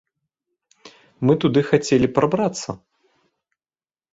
Мы туды хацелі прабрацца!